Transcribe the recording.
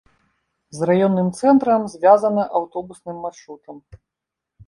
З раённым цэнтрам звязана аўтобусным маршрутам.